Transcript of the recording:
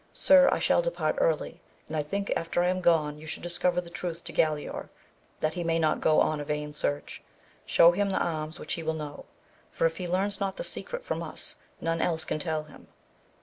Sir, I shall depart early, and I think after I am gone you should discover the truth to Galaor that he may not go on a vain search ; show him the arms which he will know, for if he learns not the secret from us none else can tell him.